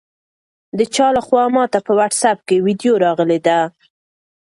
د چا لخوا ماته په واټساپ کې ویډیو راغلې ده؟